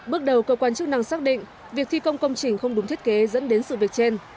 bước đầu cơ quan chức năng xác định việc thi công công trình không đúng thiết kế dẫn đến sự việc trên